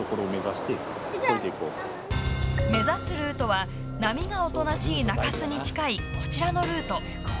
目指すルートは波がおとなしい中州に近いこちらのルート。